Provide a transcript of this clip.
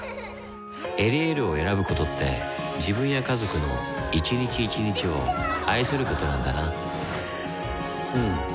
「エリエール」を選ぶことって自分や家族の一日一日を愛することなんだなうん。